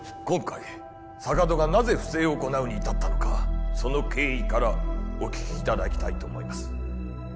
今回坂戸がなぜ不正を行うに至ったのかその経緯からお聞きいただきたいと思います